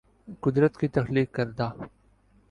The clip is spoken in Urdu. قدرت کی تخلیق کردہ